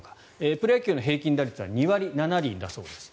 プロ野球の平均打率が２割７厘だそうです。